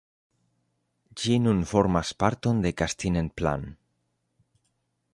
Ĝi nun formas parton de Castine-en-Plaine.